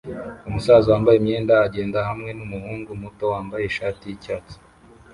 Umusaza wambaye imyenda agenda hamwe numuhungu muto wambaye ishati yicyatsi